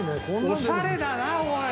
おしゃれだなおい。